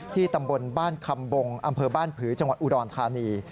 ตำบลบ้านคำบงอำเภอบ้านผือจังหวัดอุดรธานี